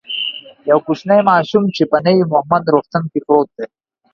یو کوچنی ماشوم چی په نوی مهمند روغتون کی پروت دی